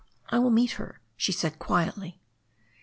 "I will meet her," she said quietly.